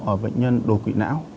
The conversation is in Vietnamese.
ở bệnh nhân đột quỵ não